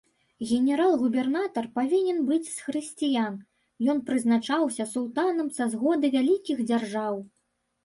Генерал-губернатар павінен быць з хрысціян, ён прызначаўся султанам са згоды вялікіх дзяржаў.